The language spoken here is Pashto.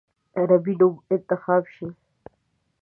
عربي نوم انتخاب شي.